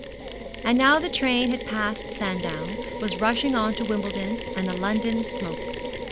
And now the train had passed Sandown, was rushing on to Wimbledon and the London smoke.